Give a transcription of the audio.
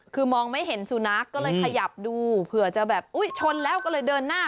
คือมองไม่เห็นสุนัขก็เลยขยับดูเผื่อจะแบบอุ๊ยชนแล้วก็เลยเดินหน้า